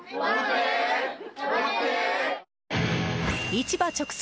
市場直送。